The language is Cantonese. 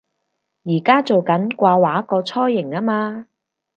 而家做緊掛畫個雛形吖嘛